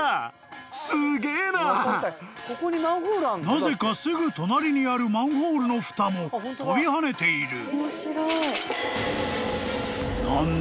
［なぜかすぐ隣にあるマンホールのふたも跳びはねている］